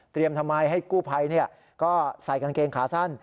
ทำไมให้กู้ภัยก็ใส่กางเกงขาสั้น